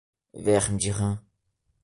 Verme de rã